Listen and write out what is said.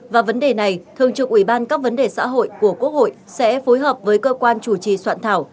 và vấn đề này thường trực ubthqh sẽ phối hợp với cơ quan chủ trì soạn thảo